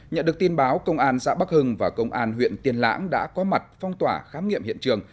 nhận được tin báo công an xã bắc hưng và công an huyện tiên lãng đã có mặt phong tỏa khám nghiệm hiện trường